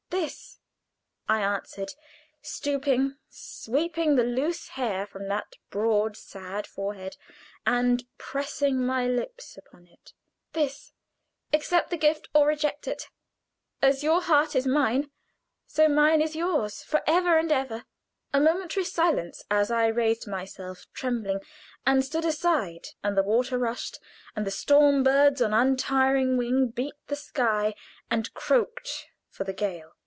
"This," I answered, stooping, sweeping the loose hair from that broad, sad forehead, and pressing my lips upon it. "This: accept the gift or reject it. As your heart is mine, so mine is yours for ever and ever." A momentary silence as I raised myself, trembling, and stood aside; and the water rushed, and the storm birds on untiring wing beat the sky and croaked of the gale.